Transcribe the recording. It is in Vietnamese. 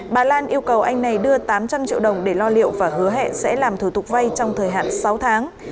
bà lan yêu cầu anh này đưa tám trăm linh triệu đồng để lo liệu và hứa hẹn sẽ làm thủ tục vay trong thời hạn sáu tháng